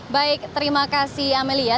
baik terima kasih amelia